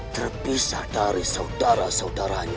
terpisah dari saudara saudaranya